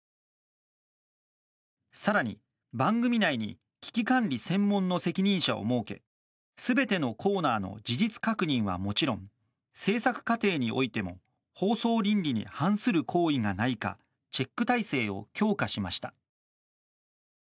更に、番組内に危機管理専門の責任者を設け全てのコーナーの事実確認はもちろん制作過程においても放送倫理に反する行為がないかチェック体制を強化しました。